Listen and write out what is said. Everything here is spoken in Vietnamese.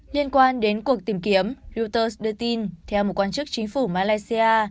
liên quan đến cuộc tìm kiếm reuters đưa tin theo một quan chức chính phủ malaysia